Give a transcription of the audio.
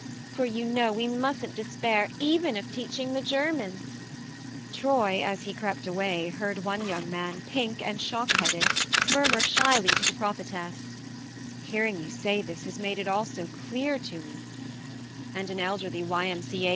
for you know we mustn't despair even of teaching the Germans !" Troy, as he crept away, heard one young man, pink and shock headed, murmur shyly to the Prophetess :" Hearing you say this has made it all so clear to me " and an elderly Y.M.C.A.